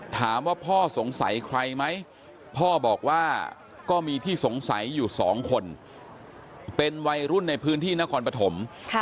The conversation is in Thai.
ถามว่าพ่อสงสัยใครไหมพ่อบอกว่าก็มีที่สงสัยอยู่สองคนเป็นวัยรุ่นในพื้นที่นครปฐม